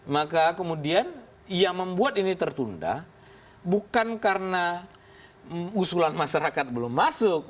maka kemudian yang membuat ini tertunda bukan karena usulan masyarakat belum masuk